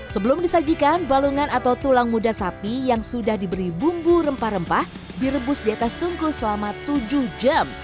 sebelum disajikan balungan atau tulang muda sapi yang sudah diberi bumbu rempah rempah direbus di atas tungku selama tujuh jam